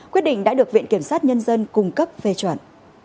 quyết định đã được viện kiểm sát nhân dân cung cấp phê chuẩn